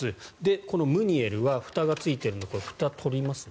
このムニエルはふたがついてるのでふたを取りますね。